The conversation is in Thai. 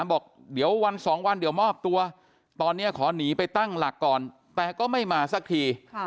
บอกเดี๋ยววันสองวันเดี๋ยวมอบตัวตอนนี้ขอหนีไปตั้งหลักก่อนแต่ก็ไม่มาสักที